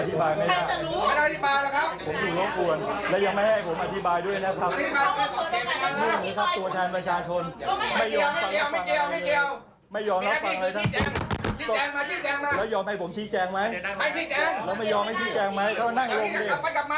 ถ้าเป็นญาติคุณคุณจะคิดอย่างไร